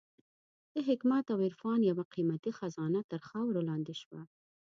د حکمت او عرفان یوه قېمتي خزانه تر خاورو لاندې شوه.